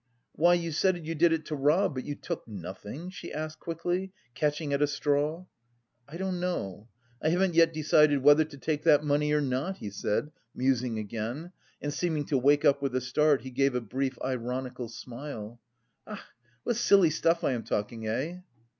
why, you said you did it to rob, but you took nothing?" she asked quickly, catching at a straw. "I don't know.... I haven't yet decided whether to take that money or not," he said, musing again; and, seeming to wake up with a start, he gave a brief ironical smile. "Ach, what silly stuff I am talking, eh?"